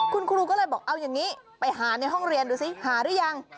คุณครูก็เลยบอกเอาอย่างนี้ไปหาในห้องเรียนดูสิหาหรือยัง